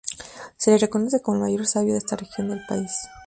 Se le reconoce como el mayor sabio de esta región del país.